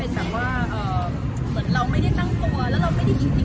อยู่ด้วยความแฮปปี้นี่เลยเนี่ยก็มันก็กำไรดีแล้วในประวัติกรรมทุกวัน